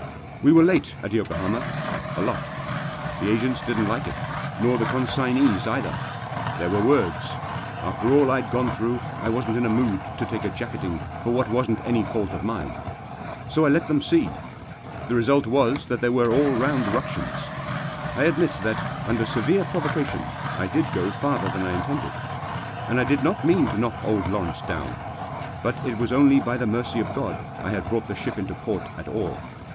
We were late at Yokohama. A lot. The agents didn't like it, nor the consignees either. There were words. After all I'd gone through I wasn't in a mood to take a jacketing for what wasn't any fault of mine. So I let them see. The result was that there were all round ructions. I admit that, under severe provoca tion, I did go farther than I intended. And I did not mean to knock old Lawrence down. But it wad only by the mSrcy of God I had brought the ship into port at all.